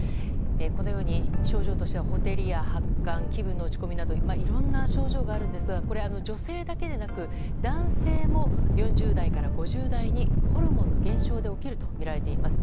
このように症状としてはほてりや発汗気分の落ち込みなどいろんな症状があるんですが女性だけでなく男性も４０代から５０代にホルモンの減少で起きるとみられています。